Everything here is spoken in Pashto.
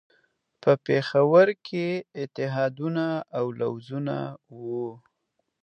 په پېښور کې اتحادونه او لوزونه وو.